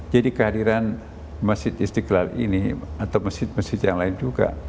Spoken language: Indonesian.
jadi kehadiran masjid istiqlal ini atau masjid masjid yang lain juga